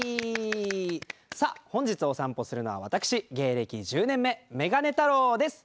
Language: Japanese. さあ本日お散歩するのは私芸歴１０年目眼鏡太郎です。